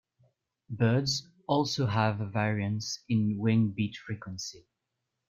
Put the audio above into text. Birds also have a variance in wing beat frequency.